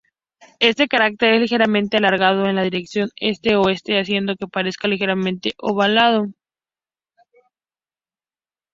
Este cráter es ligeramente alargado en la dirección este-oeste, haciendo que parezca ligeramente ovalado.